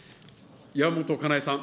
山本香苗さん。